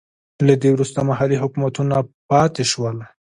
له دې وروسته محلي حکومتونه پاتې شول.